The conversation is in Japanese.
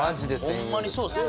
ホンマにそうですね。